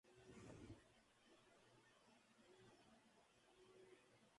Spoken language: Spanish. El factor de ramificación puede ser reducido mediante algoritmos de poda.